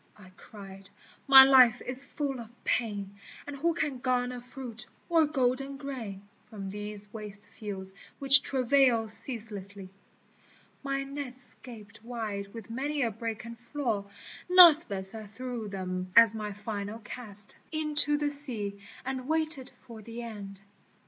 I cried, " my life is full of pain, And who can garner fruit or golden grain, From these waste fields which travail ceaselessly !" My nets gaped wide with many a break and flaw Nathless I threw them as my final cast Into the sea, and waited for the end.